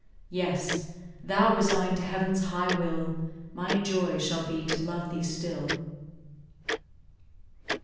Yes! though resign'd to Heaven's high will, My joy shall be to love thee still!